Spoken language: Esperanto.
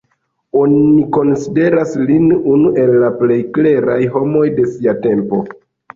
Oni konsideras lin unu el plej kleraj homoj de sia tempo.